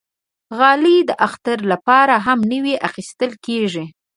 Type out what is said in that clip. غالۍ د اختر لپاره هم نوی اخېستل کېږي.